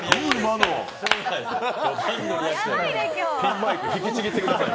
ピンマイクひきちぎってください。